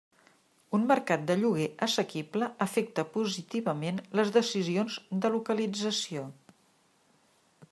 Un mercat de lloguer assequible afecta positivament les decisions de localització.